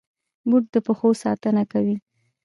بوټ د پښو ساتنه کوي.